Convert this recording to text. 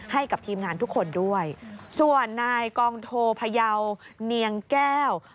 ให้กับทีมงานทุกคนด้วยส่วนนายกองโทพยาวเนียงแก้ว